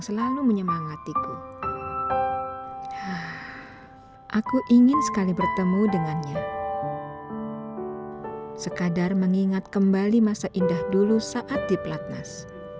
sekadar mengingat kembali masa indah dulu saat di platnas